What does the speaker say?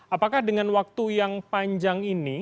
apakah dengan waktu yang panjang ini